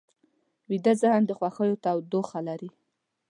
ویده ذهن د خوښیو تودوخه لري